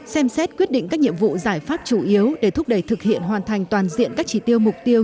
xem xét quyết định các nhiệm vụ giải pháp chủ yếu để thúc đẩy thực hiện hoàn thành toàn diện các chỉ tiêu mục tiêu